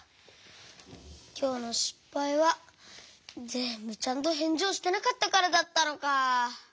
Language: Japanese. きょうのしっぱいはぜんぶちゃんとへんじをしてなかったからだったのか。